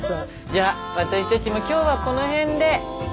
じゃ私たちも今日はこの辺で。